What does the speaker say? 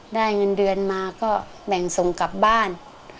ได้เงินเดือนมาก็แบ่งส่งกลับบ้าน